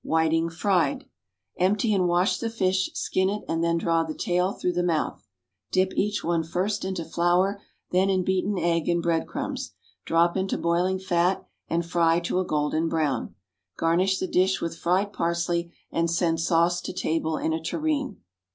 =Whiting, Fried.= Empty, and wash the fish, skin it, and then draw the tail through the mouth. Dip each one first into flour, then in beaten egg and breadcrumbs, drop into boiling fat, and fry to a golden brown. Garnish the dish with fried parsley, and send sauce to table in a tureen.